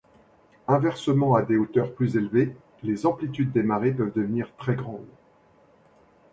Inversement à des hauteurs plus élevées, les amplitudes des marées peuvent devenir très grandes.